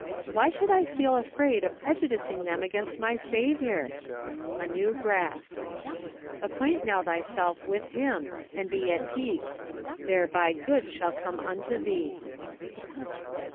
Why should I feel afraid of prejudicing them against my Saviour ? A New Graft. " Acquaint now thyself with him , and he at peace: thereby good shall come unto tliee.